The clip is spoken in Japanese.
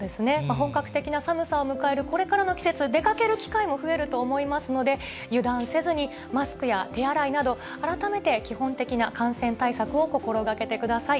本格的な寒さを迎えるこれからの季節、出かける機会も増えると思いますので、油断せずに、マスクや手洗いなど、改めて基本的な感染対策を心がけてください。